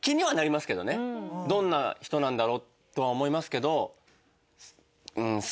どんな人なんだろう？とは思いますけど。って言います。